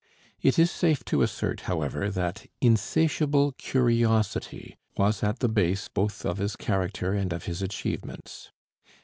It is safe to assert, however, that insatiable curiosity was at the base both of his character and of his achievements.